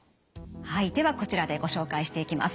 はいではこちらでご紹介していきます。